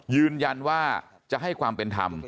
ยืนยันว่าจะให้ความเป็นธรรม